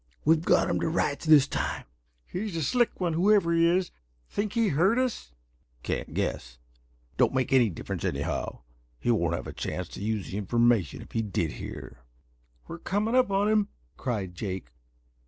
We've got him to rights this time." "He's a slick one whoever he is. Think he heard us?" "Can't guess. Don't make any difference anyhow. He won't have a chance to use the information, if he did hear." "We're coming up on him," cried Jake.